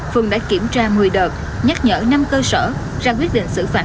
phường đã kiểm tra một mươi đợt nhắc nhở năm cơ sở ra quyết định xử phạt